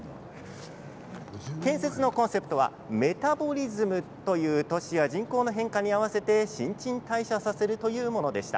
建設のコンセプトはメタボリズムという都市や人口の変化に合わせて新陳代謝させるというものでした。